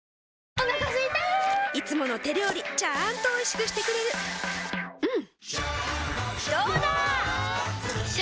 お腹すいたいつもの手料理ちゃんとおいしくしてくれるジューうんどうだわ！